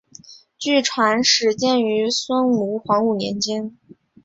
据传始建于孙吴黄武年间。